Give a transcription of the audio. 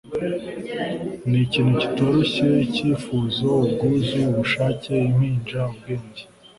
nikintu kitoroshye, cyifuzo, ubwuzu, ubushake, impinja, ubwenge